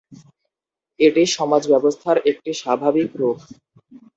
এটি সমাজ ব্যবস্থার একটি ‘স্বাভাবিক’ রূপ।